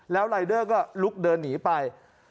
แล้วรายเดอร์ก็ลุกเดินหนีไป